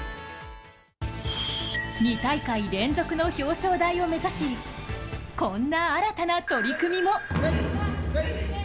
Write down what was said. ２大会連続の表彰台を目指しこんな新たな取り組みも。